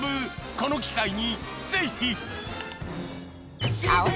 この機会にぜひ！